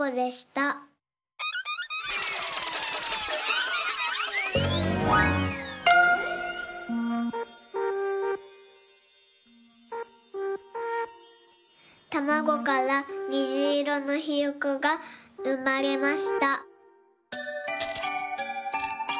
たまごからにじいろのひよこがうまれました。